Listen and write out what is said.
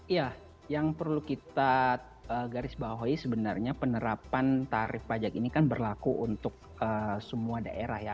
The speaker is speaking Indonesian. ya yang perlu kita garis bawahi sebenarnya penerapan tarif pajak ini kan berlaku untuk semua daerah ya